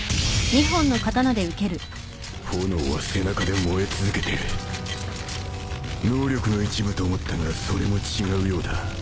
炎は背中で燃え続けてる能力の一部と思ったがそれも違うようだ